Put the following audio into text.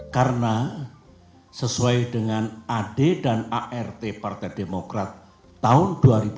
karena sesuai dengan ad dan art partai demokrat tahun dua ribu dua puluh